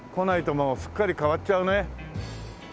もうすっかり変わっちゃうね。